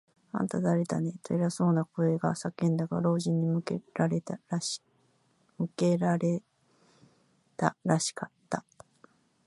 「あんた、だれだね？」と、偉そうな声が叫んだが、老人に向けられたらしかった。